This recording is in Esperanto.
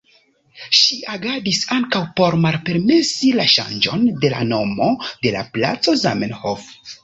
Ŝi agadis ankaŭ por malpermesi la ŝanĝon de la nomo de la placo Zamenhof.